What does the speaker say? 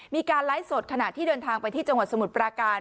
มีการไลฟ์สดขณะที่เดินทางไปที่จังหวัดสมุทรปราการ